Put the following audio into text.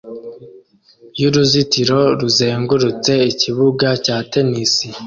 y'uruzitiro ruzengurutse ikibuga cya tennis